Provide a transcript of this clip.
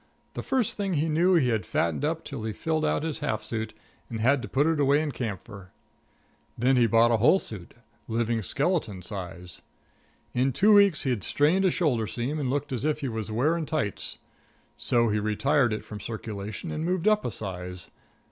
The first thing he knew he had fatted up till he filled out his half suit and had to put it away in camphor. Then he bought a whole suit, living skeleton size. In two weeks he had strained a shoulder seam and looked as if he was wearing tights. So he retired it from circulation and moved up a size.